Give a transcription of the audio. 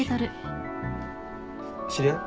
知り合い？